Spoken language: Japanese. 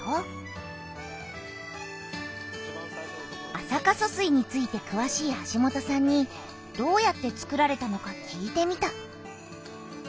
安積疏水についてくわしい橋本さんにどうやってつくられたのか聞いてみた。